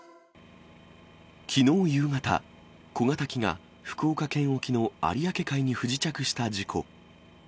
きのう夕方、小型機が福岡県沖の有明海に不時着した事故。